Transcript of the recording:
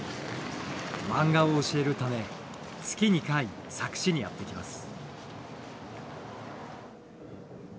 漫画を教えるため月２回佐久市にやって来ます。